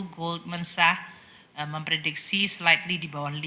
goldman sachs memprediksi slightly di bawah lima